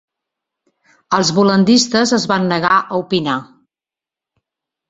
Els bol·landistes es van negar a opinar.